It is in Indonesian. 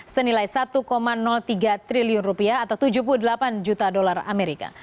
senilai rp satu tiga triliun atau rp tujuh puluh delapan juta